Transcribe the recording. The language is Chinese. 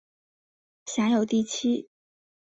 辖有第七。